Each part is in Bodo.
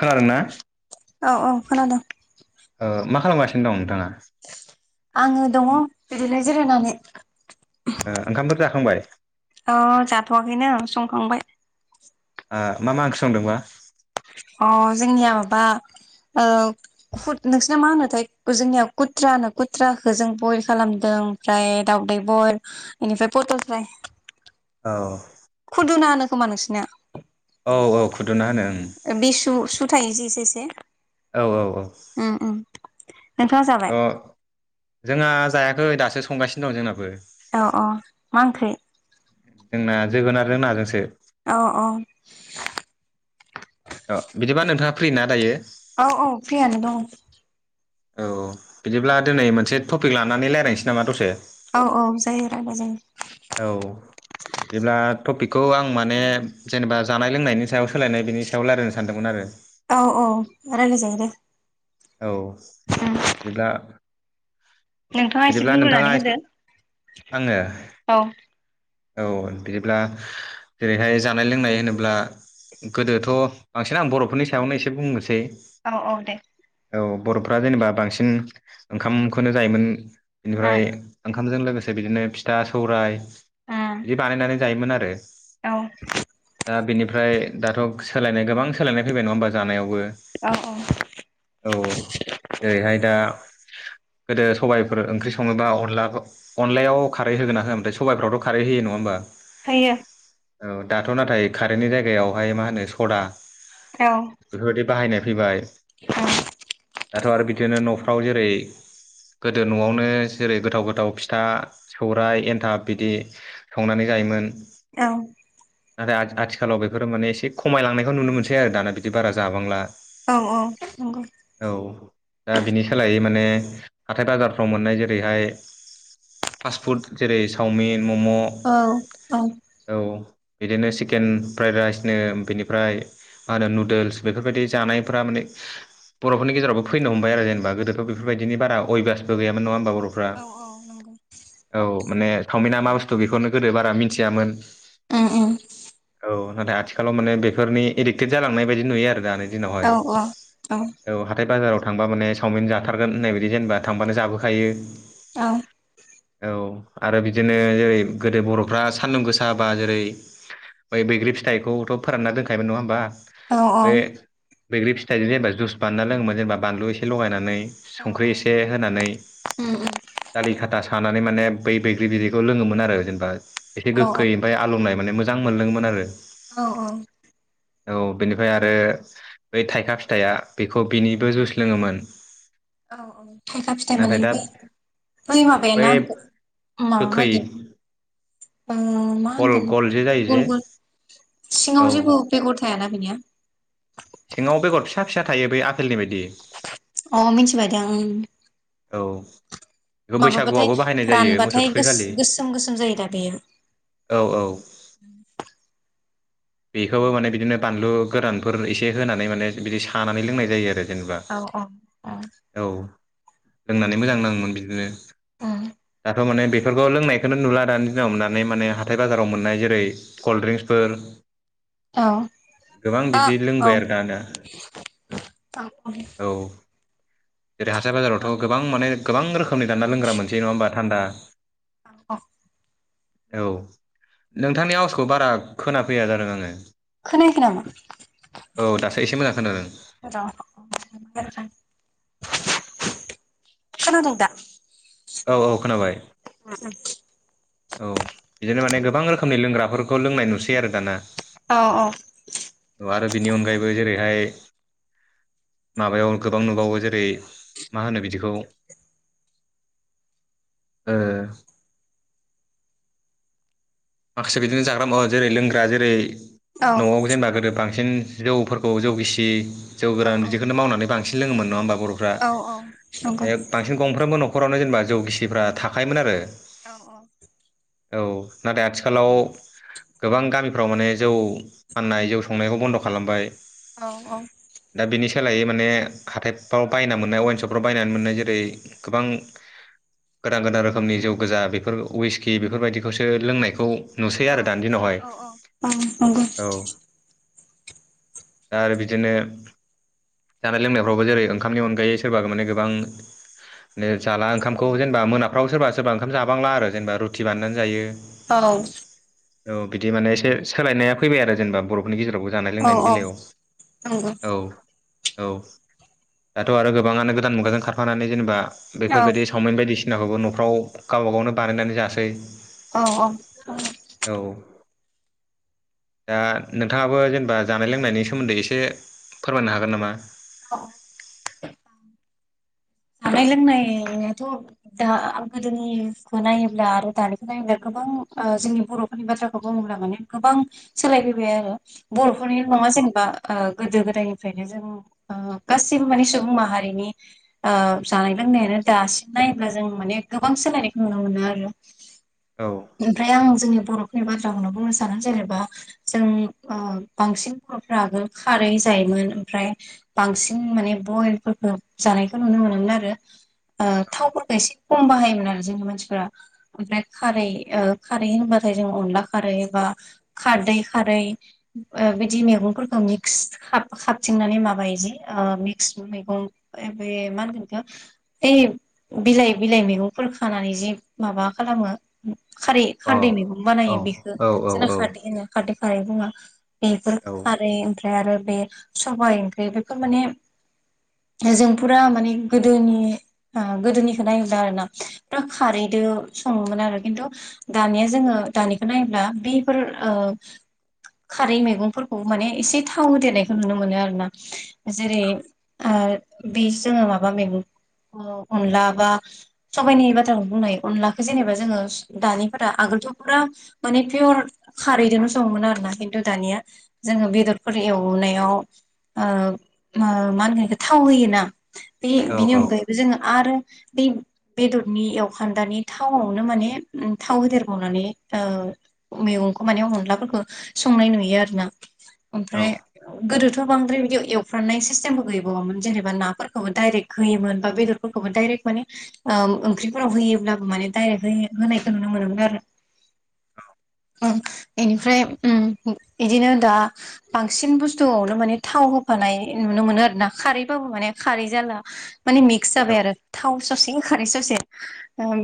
खोनादोंना? औ औ खोनादों। ओ मा खालामगासिनो दं नोंथाङा? आङो दङ बिदिनो जिरायनानै। ओ ओंखामफोर जाखांबाय? अ जाथ'वाखैनो आं संखांबाय। ओ मा मा ओंख्रि संदोंबा? अ जोंनिया माबा ओ खुथ नोंसिना मा होनोथाय गु जोंनियाव कुथ्रा होनो कुथ्राखौ जों बयल खालामदों ओमफ्राय दाउदै बयल बेनिफ्राय फथल फ्राय। औ खुदुना होनो खोमा नोंसिना औ औ खुदुना होनो बे सु सु थायोजे एसे एसे औ औ औ उम उम नोंथाङा जाबाय? अ जोंहा जायाखै दासो संगासिनो दं जोंनाबो। औ औ मा ओंख्रि? जोंना जोगोनारजों नाजोंसो। अ अ अ बिदिबा नोंथाङा फ्रि ना दायो? औ औ फ्रियानो दं। औ बिदिब्ला दोनै मोनसे टपिक लानानै रायलायनोसै नामा दसे। औ औ जायो रायलाय जायो। औ बिदिब्ला टपिक- खौ आं माने जेनेबा जानाय-लोंनायनि सायाव सोलायनाय बिनि सायाव रायलायनो सानदोंमोन आरो औ औ रायलाय जायो दे। औ बिदिब्ला नोंथाङा एसे बिदिब्ला बुंग्रोनानै नोंथाङा होदो एसे आंनो औ। औ बिदिब्ला जेरैहाय जानाय लोंनाय होनोब्ला गोदोथ' बांसिन आं बर'फोरनि सायावनो एसे बुंनोसै। औ औ दे औ बर'फ्रा जेनेबा बांसिन ओंखामखौनो जायोमोन। बेनिफ्राय उम ओंखामजों लोगोसे बिदिनो फिथा सौराय। उम बिदि बानायनानै जायोमोन आरो। औ दा बिनिफ्राय दाथ' सोलायनाय गोबां सोलायनाय फैबाय नङा होमबा जानायावबो। औ जेरैहाय दा गोदो सबायफोर ओंख्रि सङोबा अनलाबा अनलायाव खारै होगोना होयामोनथाय? सबाइफ्रावथ' खारै होयो नङा होमबा? थायो। औ दाथ' नाथाय खारैनि जायगायावहाय मा होनो सदा औ बेफोरबायदि बाहायनाय फैबाय। दाथ आरो बिदिनो न'फ्राव जेरै गोदो न'आवनो जेरै गोथाव गोथाव फिथा सौराइ एन्थाब बिदि संनानै जायो- मोन। औ नाथाय आथिखालाव बेफोरो माने एसे खमायलांनायखौ नुनो मोनसै आरो दाना बिदि बारा जाबांला। औ औ नंगौ औ दा बिनि सोलायै माने हाथाय बाजाफोराव मोननाय जेरैहाय पास फुद जेरै सावमिन मम औ बिदिनो चकेन फ्राइद राइसनो बेनिफ्राय मा होनो नुदोल्स बेफोरबायदि जानायफ्रा माने बर'फोरनि गेरावबो फैनो हमबाय आरो जेनबा गोदोथ बेफोरबायदि बा अयभासबो गैयामोन नङा होमबा बर'- बर'फ्रा। औ औ नंगौ औ माने चावमिना मा बुस्थु बेखौनो गोदो बारा मिथियामोन। उम उम औ नाथाय आथिखालाव माने बेफोरनि एडिक्टेड जालांनाय बायदि नुयो आरो दानो दिनावहाय औ औ औ हाथाय बाजारावहाय थांबा माने चावमिन जाथारगोन होननाय बायदि जेनेबा थांबानो जाबोखायो औ औ आरो बिदिनो जेरै गोदो बरफ्रा सान्दुं गोसा बा जेरै बै बैग्रि फिथाइखौथ फोरानना दोनखायोन नङा होनोमबा औ औ बैग्रि फिथाइजों जेनबा जुस बना लोङोमोन जेनेबा बानलु एसे लगायनानै संख्रै एसे उम होनानै उम दालि खाला सा होनानै माने बै बैग्रि बिदैखौ लोङो मोन आरो माने एसे औ गोखै् आरो आलौनाय माने मोजां मोनलदोंमोन आरो औ औ औ बेनिफ्राय आरो बै थाइखा फिथाइया बेखौ बिनिबो जुइस लोङोमोन औ औ थाइखाा फिथाइ नाथाय दा मोनैसै बै माबायनाा गोखै मदि म होन गल गल जे जायो जे ग ग औ नाव जेबो बेगर थायाना बिनिया सिङाव बेगर फिसा फिसा थायो बै आफेलनि बायदि अ मिथिबायदि औ बेखौ माबाबाथाय बैसागुआवबो बाहायनाय जायो मोसौ रानबाथाय थुखैखालि गोसोम गोसोम जायो दा बेयो उ औ औ बेखौबो माने बिदिनो बानलु गोरानफोर एसे होनानै माने बिदि सानानै लोंनाय जायो आरो जेनेबा औ औ औ रोंनानै मोजां नाङोमोन बिदिनो औ थ' माने बेफोरखौ लोंनायखौनो नुला दानि दिनाव मोननानै माने हाथाय बाजाराव मोन्नाय जेरै कल्ड ड्रिंक्सफोर औ गोबां बिदि औ लोंबाय आरो दाना थाब औ जेरै हासार बाजारावथ' गोबां माने गोबां रोखोमनि दान्दा लोंग्रा मोनसै नङा होमबा थान्दा औ औ औ नोंथांनि आउसखौ बारा खोनाफैया जादों आङो खोनायख नामा औ दासो एसे मोजां खान न र' खोन द दा औ औ खोनाबाय औ बिदिनो माने गोबां रोखोमनि लोंग्राफोरखौ लोंनाय नुसै आरो दाना औ औ औ आरो बिनि अनगायैबो जेरैहाय माबायाव गोबां नुबावो जेरै मा होनो बिदिखौ ओ माखासे बिदिनो जाग्रा मुवा जेरै लोंग्रा जेरै औ न'आव जेनेबा गोदो बां बांसिन जौफोरखौ जौ गिसि जौ औ गोरान बिदिखौनो मावनानै बांसिन लोङोमोन नङा होमबा बर'फ्रा औ औ नंगौ बांसिन गंफ्रोमबो न'खरावनो जेनेबा जौ गिसिफ्रा थाखायोमोन आरो। औ औ औ नाथाय आथिखालाव गोबां गामिफ्राव माने जौ फाननाय जौ संनायखौ बन्द' खालामबाय औ औ सोलायो माने हाथाइफ्राव बायना मोननाय वेनसपफ्राव बायनानै मोननाय जेरै गोबां गोदान गोदान रोखोमनि जौ गोजा बेफोर उइसकि बेफोरबायदिखौसो लोंनायखौ नुसै औ आरो दान्दिनावहाय औ औ नंगौ औ आरो बिदिनो जानाय लोंनायफ्रावबो जेरै ओंखामनि अनगायै सोरबा माने गोबां जाला ओंखामखौ जेनेबा मोनाफ्राव सोरबा सोरबा ओंखाम जाबांला आरो जेनेबा रुथि बाननानै जायो। औ औ नंगौ औ बिदि माने एसे सोलायनाया फैबाय आरो जेनेबा बर'फोरनि गेजेराव बो औ जानाय-लोंनायनि औ बेलायाव औ औ दाथ' आरो गोबाङानो गोदान मुगाजों खारफानानै जेनेबा बेफोरबायदि सावमिन बायदिसिनाखौबो न'फ्राव गावबा गावनो बानायनानै जासै औ औ औ दा नोंथाङाबो जेनेबा जानाय लोंनायनि सोमोन्दै एसे फोरमायनो हागोन नामा? औ जानाय-लोंनायाथ' दां गोदोनिखौ नायोब्ला आरो दानिखौ नायोब्ला गोबां ओ जोंनि बर'फोरनि बाथ्राखौ बुङोब्ला माने गोबां सोलायबोैबाय आरो बर'फोरनि नङा जे बा ओ गोदो गोदायनिफ्रायनो जों ओ गासिबो मानिे सुबुं माहारिनि ओ जानाय-लोंनायानो दासिम नायोब्ला जों माने गोबां सोलायनायखौ नुनो मोनो आरो औ अ ओमफ्राय आं जोंनि बर'फोरनि बाथ्राखौनो बुंनो सानो जेनेबा जों ओ बांसिन बर'फ्रो खारै जायोमोन ओमफ्राय बांसिन माने बयलफोरखौ जानायखौ नुनो मोनोमोन आ रो ओ थावफोरखौ एसे खम बाहायोमोन आरो जोंनि मानसिफोरा ओमफ्राय खारै ओ खारै होनबा थाय जों अनला खारै बा खारै खारै ओ बिदि मैगंफोरखौ मिक्स हाब खाबथिंनानै माबायो जि मिक्स मैगं बे मा होनगोन बे खौ ओइ बिलाइ बिलाइ मैगंफोर खानानै जि माबा खालामो खारै औ खारदै मैगं औ बानायो बेखौ औ जोंना औ खारदै होनो खारदै खारै बुङा बेफोर औ खारै ओम फ्राय आरो बे सबाइ ओंख्रि बेफोर माने जों फुरा माने गोदोनि गोदोनिखौ नायोब्ला आरो ना फा खारैदो सङोमोन आरो खिन्थु दानिया जोङो दानिखौ नायोब्ला बेफोर ओ खारै मैगंफोरखौ माने एसे थाव होदेरनायखौ नुनो मोनो आरोना जेरै ओ बि जोङो माबा मैगं ओ अनला बा सबायाइनि बाथ्राखौ बुंनाय अनलाखौ जेनेबा जोङो दानिफोरा आगोल थ माने पियर खारैदोनो संओमोन आरोना खिथु दानिया जोङो बेदरफोर एवं नायाव ओ मा मा होनगोन इखो थाव होयोना बे औ बिनि अनगायैबो जोङो आरो बे बेदरनि एवखान्दानि थावआवनो माने थाव होदेरबावनानै ओ मैगंखौ माने अनलाफोरखौ संनाय नुयो आरोना औ ओमफ्राय गोदोथ' बांद्राय बिदि एवफ्रनाय सिस्टेमबो गैबावामोन जेनेबाफोरखौबो दायरेक होयोमोन बा बेदरफोरखौबो दायरेक माने ओ माने ओंख्रिफोराव होयोमोन आरो माने दायरेक होयो होनाय एसोनो नुनो मोनोमोन आरो ओ इनिफ्राय उम बिदिनो दा बांसिन बुस्थुआवनो माने थाव हो फानाय नुनो मोनो आरो ना खारैबाबो माने खारै बिदि जाला मिकस जाबाय आरो थाव ससे आरो खारै ससे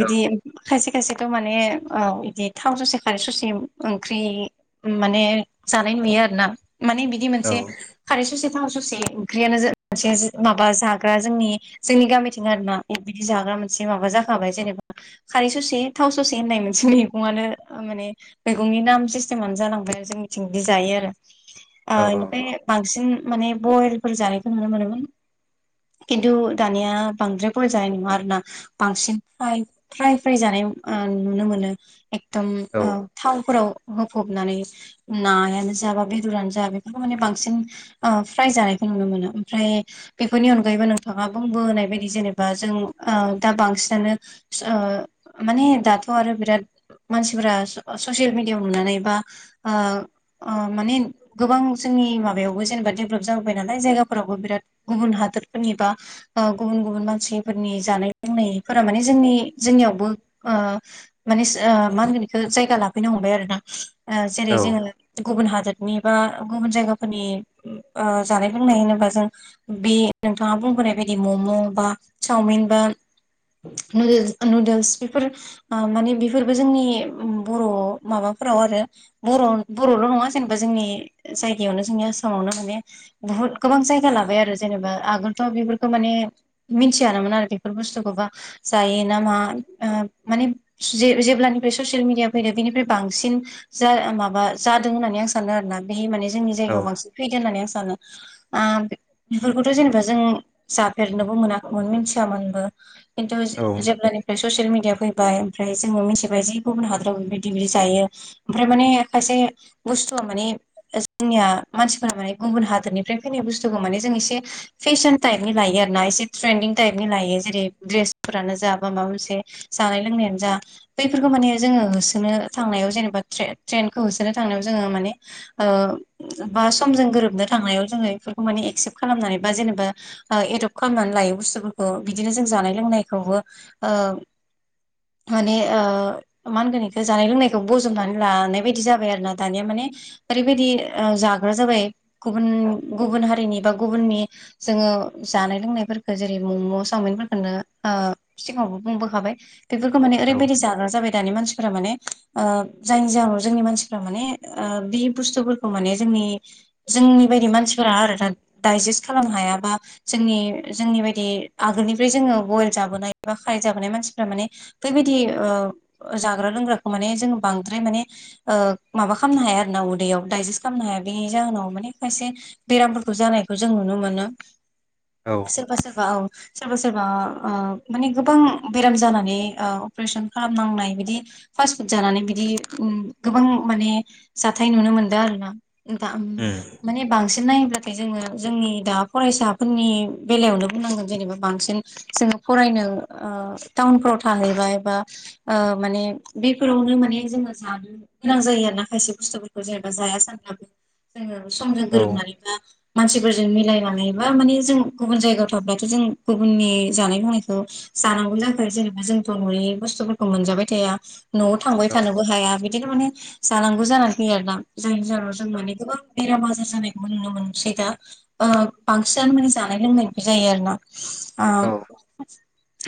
बिदि खायसे खायसेथ' माने ओ बिदि थाव ससे खारै ससे ओंख्रि माने जानाय नुयो आरो ना माने बिदि औ मोनसे खारै ससे थावा ससे ओंख्रियानो मोनसे माबा जा ग्रा जोंनि जोंनि गामिथिं आरो ना बिदि जाग्रा मोनसे माबा जाखाबाय जेनेबा खारै ससे थाव ससे होननाय मोनसे मैगंआानो माने मैगंनि नाम सिस्टेमानो जालांबाय आरो जों निथिंदि जायो आरो ओ औ इनिफ्राय बांसिन माने बयलफोर जानायखौ नुनो मोनोमोन। खिन्थु दानिया बांद्राय बल जानाय नुवा आरोना बांसिन फ्राय फ्राय फ्राय जानाय ओ नुनो मोनो एकदम औ ओ थावफोराव होफबनानै नायानो जा बा बेदरानो जा बेफोरखौ माने बांसिन ओ फ्राय जानायखौ नुनो मोनो ओमफ्राय बे फोरनि अनगायैबो नोंथाङा बुंबोनाय बायदि जेनेबा जों दा बांसिनानो माने दाथ' आरो बिराद मानसिफोरा ससियेल मिडिया नुनानै बा ओ ओ माने गोबां जों नि माबायाव जेनबा देभेलप जाबोबाय नालाय जायगाफोरावबो बिराद गुबुन हादोरफोरनि बा गुबुन गुबुन मानसिफोरनि जानाय लोंनायफोरा माने जोंनि जोंनियाव। बो ओ माने मा होनगोन बेखौ जायगा लाफैनो हमबाय आरोना। जेरै जोङो गुबुन हादोर नि बा गुबुन जायगाफोरनि जानाय लोंनाय होनोबा जों बे नोंथाङा बुंबोनाय बायदि मम' बा चावमिनबो नुदोल्स नुदोल्स बेफोर माने बेफोरबो जोंनि बर' माबा फोराव आरो बर बर'ल' नङा जेनेबा जोंनि जायगायावनो जोंनि आसामावनो माने बहुत गोाबां जायगा लाबाय आरो। जेनेबा आगोलथ' बेफोरखौ माने मिथियानोन आरो बेफोर बुस्थुखौबा जायो ना मा? माने जेब्लानिफ्राय ससियेल मिडिया फैदों बेनिफ्राय बांसिन जा माबा जादों होननानै आं सानो आरोना बे माने जोंनि जायगायाव बांसिन फैगोन होननानै आं सानो। बेफोरखौथ' जेनेबा जों जाफेरनोबो मोनाखैमोन मिथियामोनबो खिन्थु औ जेब्लानिफ्राय ससियेल मिडिया फै बाय ओमफ्राय जों मिथिबाय जि गुबुन हादराव बेबायदि बिदि जायो ओमफ्राय माने खायसे बुथु माने जोंनिया मानसिफोरा माने गुबुन हादोरनिफ्राय फैनाय बुस्थुखौ माने जों एसे फेसन टाइपनि लायो आरो ना एसे ट्रिन्दिं टाइपनि लायो जेरै द्रेसफोरानो जा बा माब बा मोनसे जानाय लोंनायानो जा बैफोरखौ माने जोङो होसोनो थांनायाव जेनेबा ट्रे ट्रेनखो होसोनो थांनायाव जोङो माने बा समजों गोरोबनो थांनायाव जोङो बेफोरखौ मान एक्सेप। खालामनानै बा जेनेबा एदप्त खालामनानै लायो बुस्थुफोरखौ बिदिनो जों जानाय लोंनायखौबो औ। माने मा होनगोन बेखौ जानाय लोंनायखौ बजबनानै लानाय बायदि जाबाय आरो ना दानिया माने ओरैबायदि जाग्रा जाबाय गुब गुबुन हारिनि बा गुबुननि जोङो जानाय लोंनायफोरखौ जेरै मम' सावमिनफोरखौनो सिगाङावबो बुंबो खाबाय बेफोरखौ माने ओरैबायदि जाग्रा जाबाय दानि मानसिफोरा माने जायनि जाहोनाव जोंनि मानसिफ्रा माने बे बुस्थुफोरखौ माने जोंनि जोंनि बायदि मानसिफोरा आरो दा। डाइजेस्ट खालामनो हायाबा जोंनि जोंनि बायदि आगोलनिफ्राय जोङो बयल जाबोनाय बा फ्राय जाबोनाय मानसिफ्रा माने बैबायदि जाग्रा लोंग्राखौ माने जों बांद्राय माने माबा खालामनो हाया आरो ना उदैयाव दडाइजेस्ट खालामनो हाया बेनि जाहोनाव माने खायसे बेराम खौ जानायखौ जों नुनो मोनो सोरबा सोरबा औ। सोरबा सोरबा माने गोबां बेराम जानानै अपारेशन खालामनांनाय बिदि फास्ट फुड जानानै बिदि गोबां माने जाथाय नुनो मोनदों आरो ना। दा उम माने बांसिन नायोब्ला जोङो जोंनि दा फरायसाफोरनि बेलायावनो बुंनांगोन जेनेबा बांसिन जोङो फरायनो ओ टाउनफ्राव थानायैबाय बा माने बेफोरावनो माने जोङो गोनां जायो आरो ना खायसे बुस्थुफोरखौ जेनेबा जाया सानब्लाबो जोङो समजों औ गोरोबनानैबा मानसिफोरजों मिलाय लबा माने जों गुबुन जायगायाव थाब्लाथ' जों गुबुननि जानाय लोंनायखौ‌ जानांगौ जाखो जेनेबा जोंथ' न'यनि बुस्थुफोरखौ मोनजाबाय थाया। न'आव थांबाय औ थानोबो हाया बिदिनो माने जानांगौ जानानै फै आरोना जायनि जाहोनाव जों माने गोबां बेराम आजार जानायखौबो नुनो मोनो। सझ ला ओ बांसिनानो माने जानाय लोंनायफ जायो आरो ना। ओ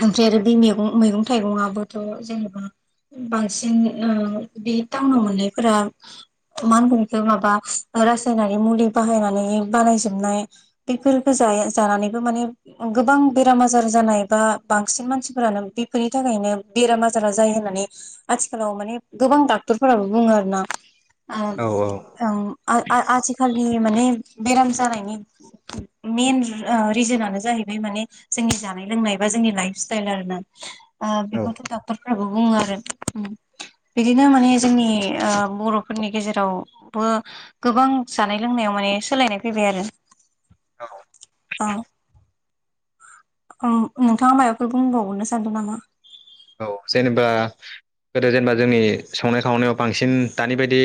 ओमफ्राय आरो बे मैगं मैगं थाइगंआोथ' जेनेबा बांसिन बे टाउनाव मोननायफोरा मा होनगोन इखो माबा रासायनारि मुलि बाहायनानै बानायजोबनाय बेफोरफोरखौ ज जानानैबो माने गोबां बेराम आजार जानाय बा बांसिन मानसिफोरानो बेफोरनि थाखायनो बेराम आजारा जायो माने आथिखालाव माने गोबां डक्ट डक्टरफोराबो बुङो आरो ना औ आ आथिखालिनि माने बेराम जानायनि मेन रिजोनानो जाहैबाय माने जोंनि जानाय लोंनाय बा जोंनि लाइफ स्टाइल आरो ना। औ बेखौथ' डक्टरफोराबो बुङो आरो। बिदिनो माने जोंनि बर'फोरनि गेजेरावबो गोबां जानाय लों नायाव‌ माने सोलायनाय फैबाय आरो। औ औ नोंथाङा माबाखौ बुंबावरनो सानदों नामा? औ जेनेबा गोदो जेनेबा जोंनि संनाय खावनायाव बांसिन दानि बायदि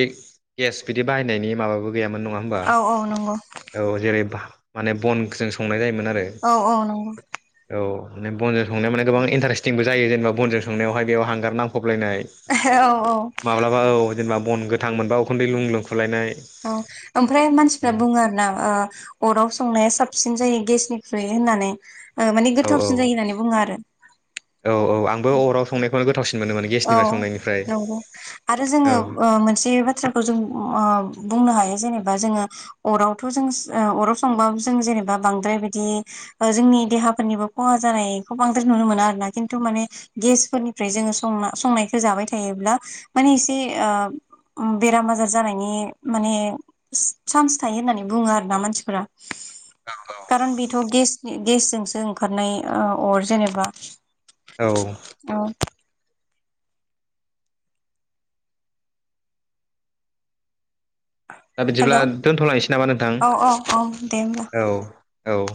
गेस बिदि बाहायनायनि माबा बो गैयामोन नङा होबा औ औ नंगौ औ जेरै माने बनजों संनाय जायोमोन। औ औ नंगौ। मान बनजों संनायावान गोबां इन्टारेस्टिंबो जायो जेनेबा बनजों संनायावहाय बेव हांगारनांफा फबलायनाय औ औ माब्लाबा औ जेनेबा बन गोथां मोनबा उखुन्दै लुं लुं औ ओमफ्राय मानसिफ्रा बुङो आरो ना अराव संनाया साबसिन जायो। गेसनिख्रुइ होननानै माने औ औ गोथावसिन जायो होननानै बुङो आरो। औ औ आंबो अराव संनायखौनो गोथावसिन मोनोमोन गेसनिफ्राय औ संनायनिफ्राय नंगौ आरो जोङो औ मोनसे बाथ्राखौ जों बुंनो हायो जेनेबा दा जोङो अराव थ जो ओ अराव सबाबो जेनबा बांद्राय बिदि जोंनि‌देहा थाखाफोरनिबो खहा जानायखौ बांद्राय नुनो मोना आरोना खिन्थु माने गेसफोरनिफ्राय जोङो संना संनायखौ जाबाय थायोब्ला माने एसे ओ बेराम आजार जानायनि माने चान्स थायो होननानै बुङो आरो ना मानसिफोरा कारन बेथ' गेसनि गेसजोंसो ओंखारनाय अर जेनेबा औ औ दा बिदिब्ला हेल' दोनथ'लांनोसै नामा नोंथां औ औ औ दे होमब्ला औ औ।